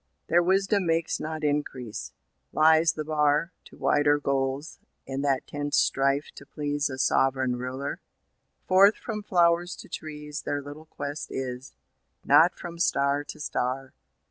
Their wisdom makes not increase. Lies the bar, To wider goals, in that tense strife to please A Sovereign Ruler? Forth from flowers to trees Their little quest is; not from star to star.